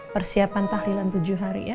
persiapan tahlilan tujuh hari ya